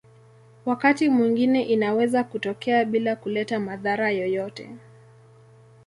Wakati mwingine inaweza kutokea bila kuleta madhara yoyote.